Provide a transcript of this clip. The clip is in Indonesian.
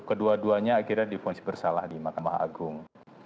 kedua duanya akhirnya difonis bersalah di mahkamah agung